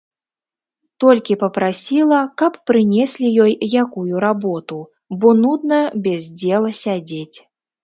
Толькі папрасіла, каб прынеслі ёй якую работу, бо нудна без дзела сядзець.